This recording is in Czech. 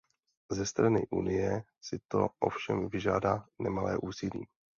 Ze strany Unie si to ovšem vyžádá nemalé úsilí.